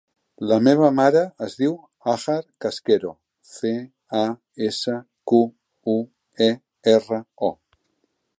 La meva mare es diu Hajar Casquero: ce, a, essa, cu, u, e, erra, o.